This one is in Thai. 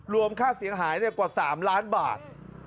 รวมค่าเสียหายกว่า๓ล้านบาท